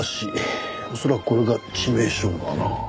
恐らくこれが致命傷だな。